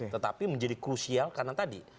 tetapi menjadi krusial karena tadi